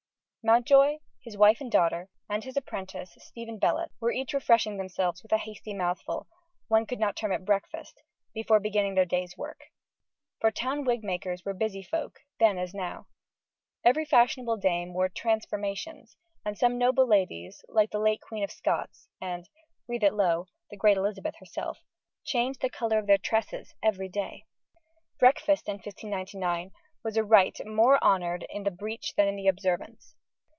Mountjoy, his wife and daughter, and his apprentice, Stephen Bellott, were each refreshing themselves with a hasty mouthful one could not term it breakfast before beginning their day's work. For town wig makers were busy folk, then as now. Every fashionable dame wore "transformations," and some noble ladies, like the late Queen of Scots and breathe it low the great Elizabeth herself, changed the colour of their tresses every day. Breakfast, in 1599, was a rite "more honoured in the breach than in the observance."